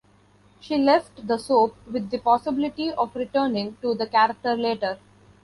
She left the soap with the possibility of returning to the character later.